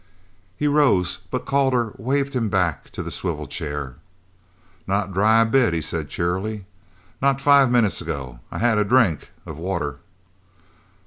He rose, but Calder waved him back to the swivel chair. "Not dry a bit," he said cheerily. "Not five minutes ago I had a drink of water."